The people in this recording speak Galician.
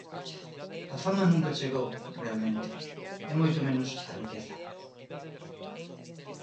A fama nunca chegou, realmente, e moito menos a riqueza.